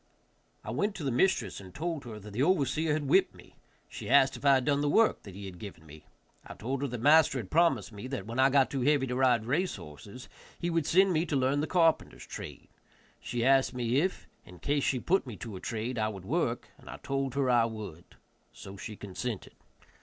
I went to mistress and told her that the overseer had whipped me; she asked if I had done the work that he had given me. I told her that master had promised me that, when I got too heavy to ride race horses, he would send me to learn the carpenter's trade; she asked me if, in case she put me to a trade, I would work, and I told her I would. So she consented.